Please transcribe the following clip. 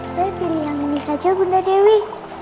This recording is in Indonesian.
saya pilih yang ini saja bunda dewi